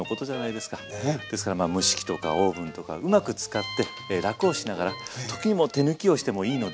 ですからまあ蒸し器とかオーブンとかうまく使って楽をしながら時にもう手抜きをしてもいいのでね